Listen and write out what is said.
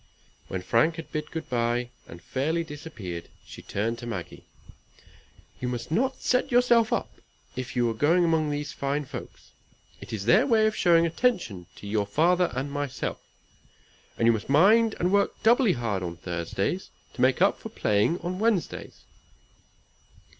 When Frank had bid good bye, and fairly disappeared, she turned to Maggie. "You must not set yourself up if you go among these fine folks. It is their way of showing attention to your father and myself. And you must mind and work doubly hard on Thursdays to make up for playing on Wednesdays."